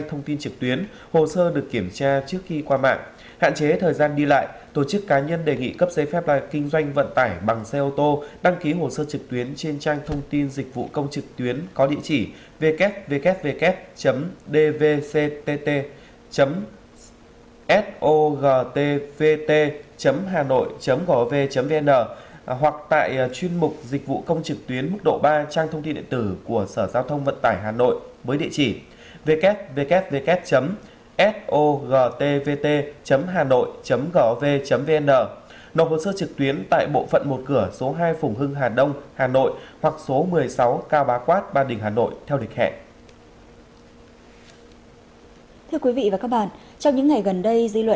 thông tin trực tuyến hồ sơ được kiểm tra trước khi qua mạng hạn chế thời gian đi lại tổ chức cá nhân đề nghị cấp giấy phép lái xe kinh doanh vận tải bằng xe ô tô đăng ký hồ sơ trực tuyến trên trang thông tin dịch vụ công trực tuyến có địa chỉ www dvctt sogtvt hanoi gov vn hoặc tại chuyên mục dịch vụ công trực tuyến mức độ ba trang thông tin điện tử của sở giao thông vận tải hà nội với địa chỉ www dvctt sogtvt hanoi gov vn